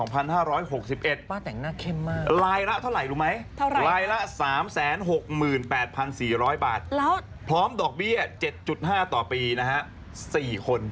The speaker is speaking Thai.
ป้าแต่งหน้าเข้มมากลายละเท่าไหร่ลายละ๓๖๘๔๐๐บาทพร้อมดอกเบี้ย๗๕ต่อปีนะฮะ๔คน